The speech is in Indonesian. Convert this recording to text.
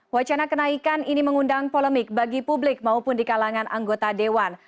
wacana kenaikan ini mengundang polemik bagi publik maupun di kalangan anggota dewan